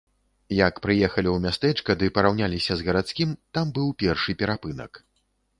Як прыехалі ў мястэчка ды параўняліся з гарадскім, там быў першы перапынак.